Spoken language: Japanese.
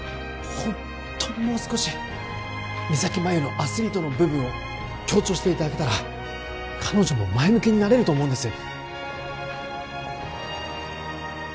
ほんとにもう少し三咲麻有のアスリートの部分を強調していただけたら彼女も前向きになれると思うんです